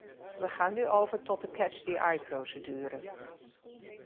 We gaan nu over tot de catch-the-eye-procedure.